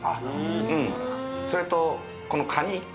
うんそれとこのカニ